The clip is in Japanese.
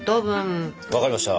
分かりました！